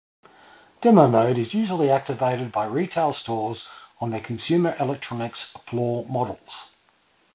Demo mode is usually activated by retail stores on their consumer electronics floor models.